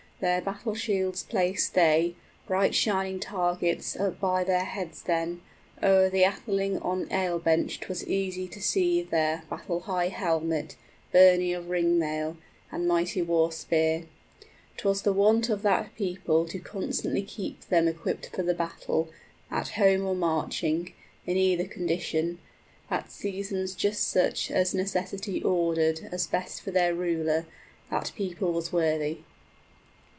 Their battle shields placed they, Bright shining targets, up by their heads then; O'er the atheling on ale bench 'twas easy to see there Battle high helmet, burnie of ring mail, {They were always ready for battle.} And mighty war spear. 'Twas the wont of that people 55 To constantly keep them equipped for the battle, At home or marching in either condition At seasons just such as necessity ordered As best for their ruler; that people was worthy.